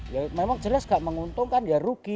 ya memang jelas gak menguntungkan ya rugi